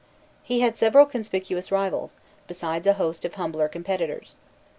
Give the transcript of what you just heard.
He had several conspicuous rivals, besides a host of humbler competitors.